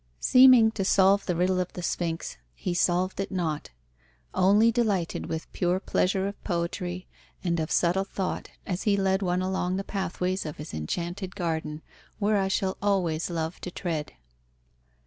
Seeming to solve the riddle of the Sphinx, he solved it not only delighted with pure pleasure of poetry and of subtle thought as he led one along the pathways of his Enchanted Garden, where I shall always love to tread.